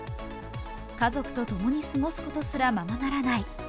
家族とともに過ごすことすらままならない。